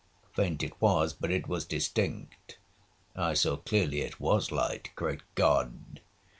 Faint it was, but it was distinct,—I saw clearly it was light. Great God!